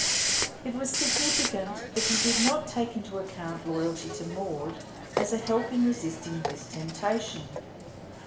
It was significant that he did not take into account loyalty to Maud as a help in resisting this temptation.